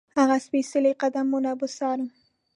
هغه سپېڅلي قدمونه به څارم.